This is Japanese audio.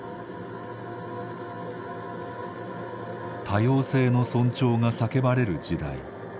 多様性の尊重が叫ばれる時代。